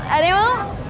ada yang mau